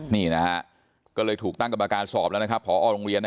นี่นะฮะก็เลยถูกตั้งกรรมการสอบแล้วนะครับพอโรงเรียน